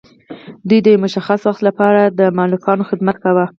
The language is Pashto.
دوی د یو مشخص وخت لپاره د مالکانو خدمت کاوه.